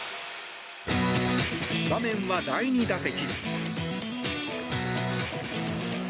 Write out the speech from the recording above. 場面は第２打席。